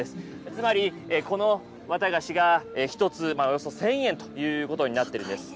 つまりこの綿菓子が１つおよそ１０００円ということになってるんです。